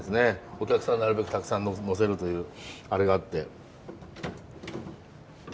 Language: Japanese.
お客さんなるべくたくさん乗せるというあれがあって。